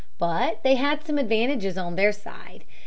But they had some advantages on their side.